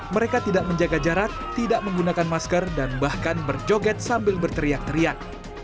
mereka tidak menjaga jarak tidak menggunakan masker dan bahkan berjoget sambil berteriak teriak